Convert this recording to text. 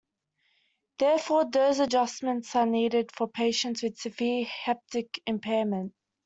Therefore, dose adjustments are needed for patients with severe hepatic impairment.